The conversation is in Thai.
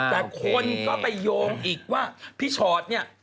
แต่คนก็ไปโยงอีกว่าพี่ชอตเนี่ย